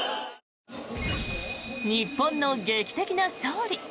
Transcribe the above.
日本の劇的な勝利。